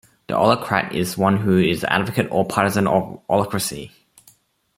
An ochlocrat is one who is an advocate or partisan of ochlocracy.